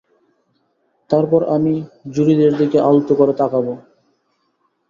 তারপর আমি, জুরিদের দিকে আলতো করে তাকাবো।